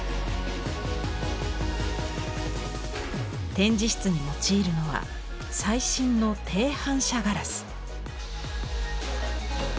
展示室に用いるのは最新の低反射ガラス。